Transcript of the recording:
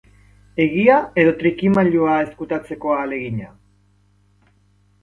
Egia edo trikimailua ezkutatzeko ahalegina?